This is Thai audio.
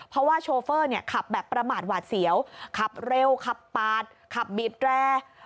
เพราะว่าโชเฟอร์เนี่ยขับแบบประมาทหวาดเสียวขับเร็วขับปาดขับบีบแร่